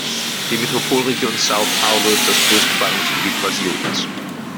Die Metropolregion São Paulo ist das größte Ballungsgebiet Brasiliens.